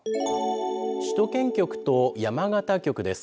首都圏局と山形局です。